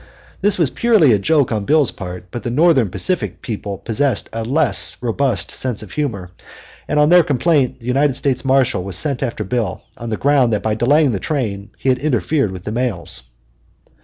This was purely a joke on Bill's part, but the Northern Pacific people possessed a less robust sense of humor, and on their complaint the United States Marshal was sent after Bill, on the ground that by delaying the train he had interfered with the mails.